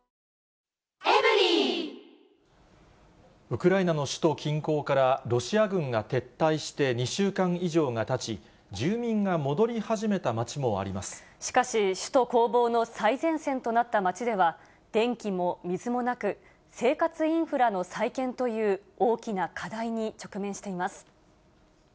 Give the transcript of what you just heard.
ウクライナの首都近郊から、ロシア軍が撤退して２週間以上がたち、しかし、首都攻防の最前線となった街では、電気も水もなく、生活インフラの再建という大きな課題に直面しています。